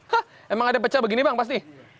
kah emang ada pecah begini bang pasti